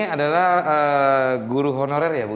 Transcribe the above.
ini adalah guru honorer ya bu